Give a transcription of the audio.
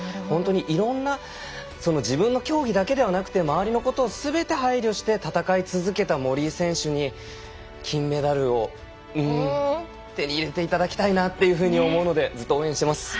本当にいろんな自分の競技だけではなく周りのことをすべて配慮して戦い続けた森井選手に金メダルを手に入れていただきたいなというふうに思うのでずっと応援してます。